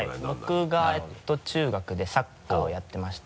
僕が中学でサッカーをやってまして。